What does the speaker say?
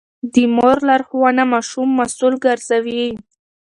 د مور لارښوونه ماشوم مسوول ګرځوي.